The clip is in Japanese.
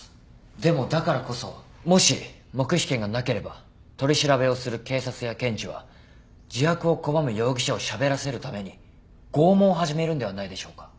でもだからこそもし黙秘権がなければ取り調べをする警察や検事は自白を拒む容疑者をしゃべらせるために拷問を始めるんではないでしょうか？